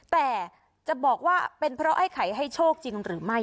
แต่จะบอกว่าเป็นเพราะไอ้ไข่ให้โชคจริงหรือไม่